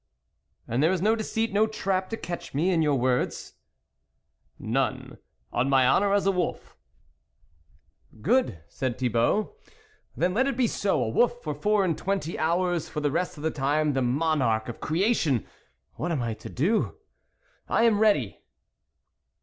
" And there Is no deceit, no trap to catch me, in your words ?"" None, on my honour as a wolf !"" Good," said Thibault, " then let it be so ; a wolf for four and twenty hours, for the rest of the time the monarch of creation ! What am I to do ? I am ready."